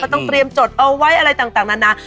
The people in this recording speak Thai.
ต้องเตรียมจดเอาไว้อะไรต่างนานา